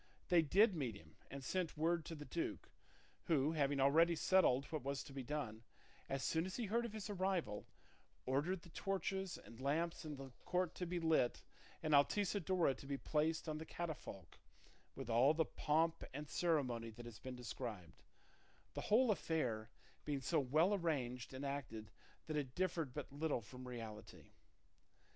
They did meet him, and sent word to the duke, who, having already settled what was to be done, as soon as he heard of his arrival, ordered the torches and lamps in the court to be lit and Altisidora to be placed on the catafalque with all the pomp and ceremony that has been described, the whole affair being so well arranged and acted that it differed but little from reality.